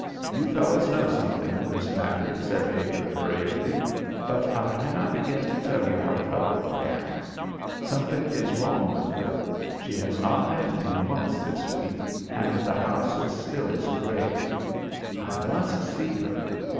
"You fellows know something of this matter," said Baker, hurriedly; "but I cannot begin to tell you how troubled I am. Something is wrong with her. She has not met me once this week, and the house is still as a grave. I must see her.